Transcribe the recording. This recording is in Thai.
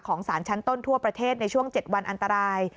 สารชั้นต้นทั่วประเทศในช่วง๗วันอันตราย